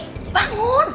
kalian gak akan nyesel